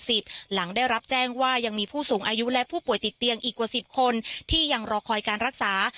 หลังได้รับแจ้งว่ายังมีผู้สูงอายุและผู้ป่วยติดเตียงอีกกว่า๑๐คนที่ยังรอคอยการรักษา